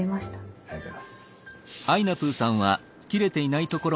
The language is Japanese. ありがとうございます。